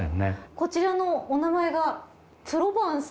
こちらのお名前が。